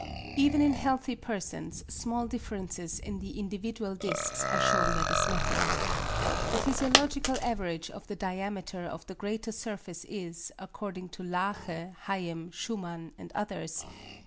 Even in healthy persons small differences in the individual discs are shewn by this method. The physiological average of the diameter of the greater surface is, according to Laache, Hayem, Schumann and others, 8.